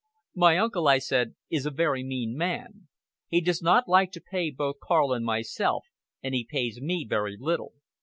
"My uncle," I said, "is a very mean man. He does not like to pay both Karl and myself and he pays me very little.